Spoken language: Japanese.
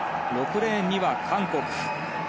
６レーンには韓国。